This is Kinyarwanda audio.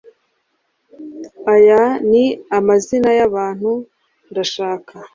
aya ni amazina yabantu ndashaka